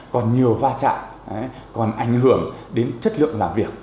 còn nhiều va chạm còn ảnh hưởng đến chất lượng làm việc